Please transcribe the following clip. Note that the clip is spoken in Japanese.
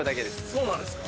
そうなんですか。